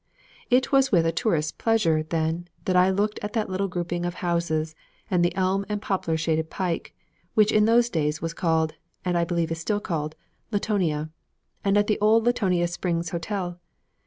It was with a tourist's pleasure, then, that I looked at that little grouping of houses and the elm and poplar shaded pike, which in those days was called, and I believe is still called, Latonia; and at the old Latonia Springs Hotel.